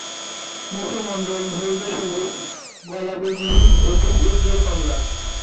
মুখমণ্ডল হলদে-সবুজ, গলা বেগুনি ও বুক উজ্জ্বল কমলা।